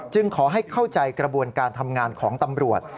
ขอให้เข้าใจกระบวนการทำงานของตำรวจ